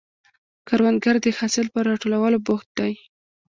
کروندګر د حاصل پر راټولولو بوخت دی